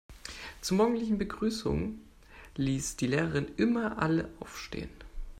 Zur morgendlichen Begrüßung ließ die Lehrerin immer alle aufstehen.